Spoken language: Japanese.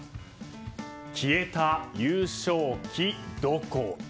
消えた優勝旗、どこへ？